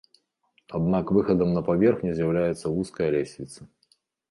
Аднак выхадам на паверхню з'яўляецца вузкая лесвіца.